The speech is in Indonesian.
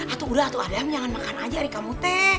aduh udah aduh adam jangan makan aja arika mute